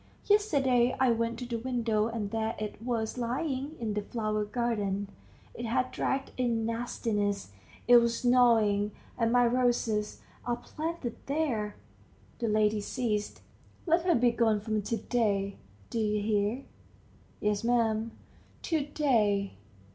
Yesterday I went to the window, and there it was lying in the flower garden; it had dragged in nastiness it was gnawing, and my roses are planted there ..." The lady ceased. "Let her be gone from to day ... do you hear?" "Yes, 'm." "To day.